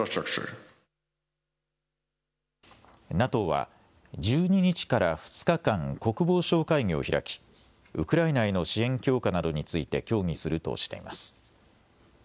ＮＡＴＯは１２日から２日間、国防相会議を開き、ウクライナへの支援強化などについて協議するとしています。